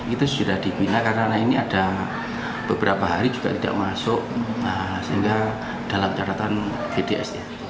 itu sudah dibina karena ini ada beberapa hari juga tidak masuk sehingga dalam catatan vds nya